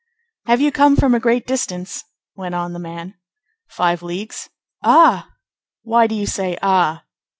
"Have you come from a great distance?" went on the man. "Five leagues." "Ah!" "Why do you say, 'Ah?